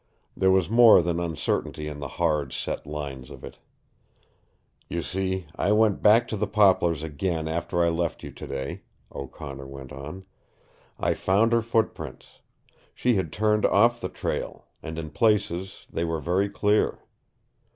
There was more than uncertainty in the hard, set lines of it. "You see, I went back to the poplars again after I left you today," O'Connor went on. "I found her footprints. She had turned off the trail, and in places they were very clear.